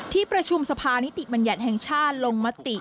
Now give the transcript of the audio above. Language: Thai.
ที่ประชุมสภานิติบัญญัติแห่งชาติลงมติ